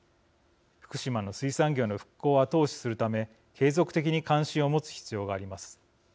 福島の水産業の復興を後押しするため継続的に関心を持つ必要があります。